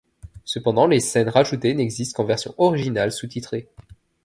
Cependant les scènes rajoutées n'existent qu'en version originale sous-titrée.